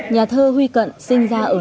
nhà thơ huy cận sinh ra ở